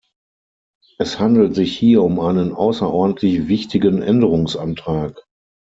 Es handelt sich hier um einen außerordentlich wichtigen Änderungsantrag.